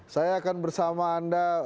saya akan bersama anda